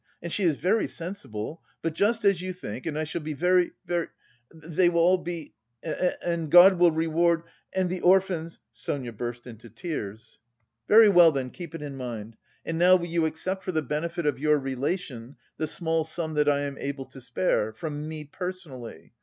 And she is very sensible... but just as you think and I shall be very, very... they will all be... and God will reward... and the orphans..." Sonia burst into tears. "Very well, then, keep it in mind; and now will you accept for the benefit of your relation the small sum that I am able to spare, from me personally.